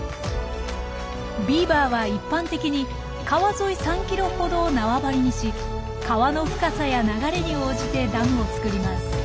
ビーバーは一般的に川沿い３ｋｍほどを縄張りにし川の深さや流れに応じてダムを作ります。